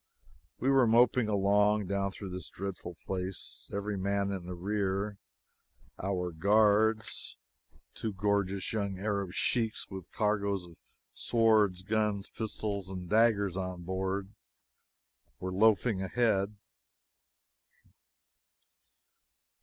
We were moping along down through this dreadful place, every man in the rear. Our guards two gorgeous young Arab sheiks, with cargoes of swords, guns, pistols and daggers on board were loafing ahead.